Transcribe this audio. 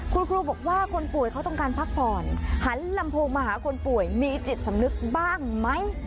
คุณครูบอกว่าคนป่วยเขาต้องการพักผ่อนหันลำโพงมาหาคนป่วยมีจิตสำนึกบ้างไหม